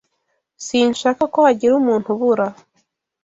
Sinshaka ko hagira umuntu ubura.